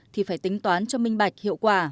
thì phải tính toán cho mình